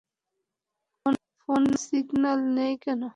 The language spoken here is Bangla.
ফোনে সিগন্যাল নেই কেন?